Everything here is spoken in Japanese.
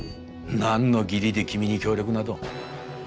なんの義理で君に協力など。